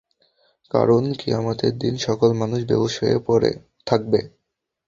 কারণ, কিয়ামতের দিন সকল মানুষ বেহুশ হয়ে পড়ে থাকবে।